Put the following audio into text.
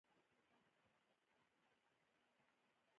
مور وروڼو جیم او بیل هم هڅه کړې وه